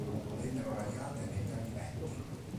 Vennero radiate negli anni venti.